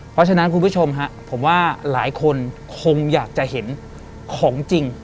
เพราะฉะนั้นคุณผู้ชมฮะผมว่าหลายคนคงอยากจะเห็นของจริง